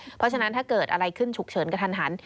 เพราะฉะนั้นถ้าเกิดอะไรขึ้นฉุกเฉินกระทันหัน